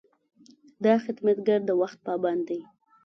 دا خدمتګر د وخت پابند دی.